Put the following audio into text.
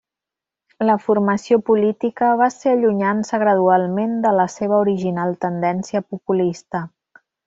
La formació política va ser allunyant-se gradualment de la seva original tendència populista.